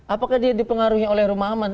apakah dia dipengaruhi oleh rumah aman